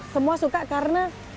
semua suka karena